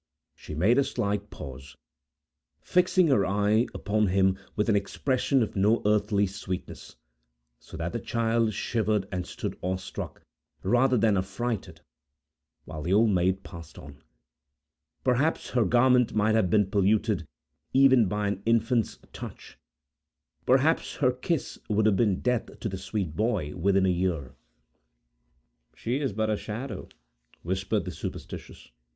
She made a slight pause, fixing her eye upon him with an expression of no earthly sweetness, so that the child shivered and stood awe struck, rather than affrighted, while the Old Maid passed on. Perhaps her garment might have been polluted even by an infant's touch; perhaps her kiss would have been death to the sweet boy, within a year. "She is but a shadow," whispered the superstitious.